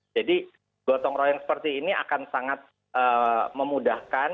jadi gotong royong seperti ini akan sangat memudahkan